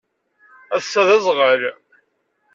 Ass-a d azɣal.